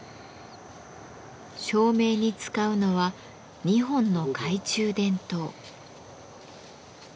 照明に使うのは２本の懐中電灯。